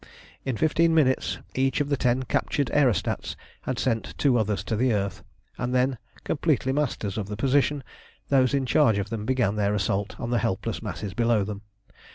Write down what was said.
In fifteen minutes each of the ten captured aerostats had sent two others to the earth, and then, completely masters of the position, those in charge of them began their assault on the helpless masses below them.